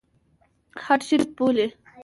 هډه شریف بولي.